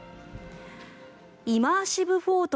イマーシブ・フォート